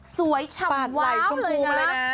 สวยชำว้าทปากไหล่ชมปูเลยนะ